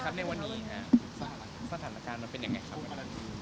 พี่นีครับในวันนี้นะสถานการณ์เป็นยังไงครับ